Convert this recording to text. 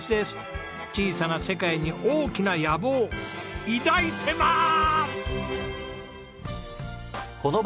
小さな世界に大きな野望抱いてまーす！